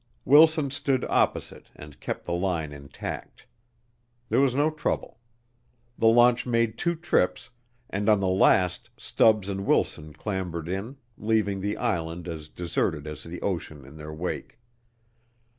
Wilson stood opposite and kept the line intact. There was no trouble. The launch made two trips, and on the last Stubbs and Wilson clambered in, leaving the island as deserted as the ocean in their wake.